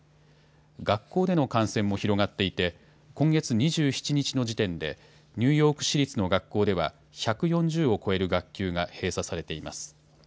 学校での感染も広がっていて、今月２７日の時点で、ニューヨーク市立の学校では、１４０を超える学級が閉鎖されています。